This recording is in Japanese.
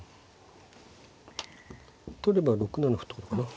取れば６七歩とかかな。